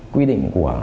quy định của